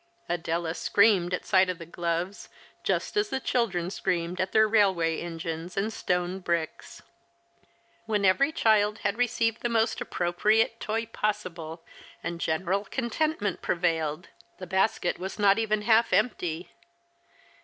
Adela screamed at sight of the gloves, just as the children screamed at their railway engines and stone bricks. When every child had received the most appropriate toy possible and general contentment prevailed, the basket was not even half empty.